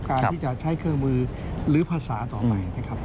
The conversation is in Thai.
การที่จะใช้เครื่องมือหรือภาษาต่อไปนะครับ